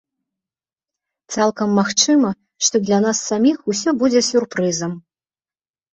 Цалкам магчыма, што для нас саміх усё будзе сюрпрызам.